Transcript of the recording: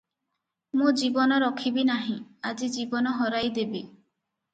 ମୁଁ ଜୀବନ ରଖିବି ନାହିଁ, ଆଜି ଜୀବନ ହରାଇ ଦେବି ।"